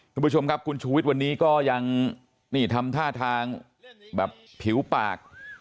คุณผู้ชมครับคุณชูวิทย์วันนี้ก็ยังนี่ทำท่าทางแบบผิวปาก